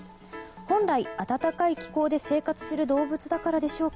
本来、暖かい気候で生活する動物だからでしょうか。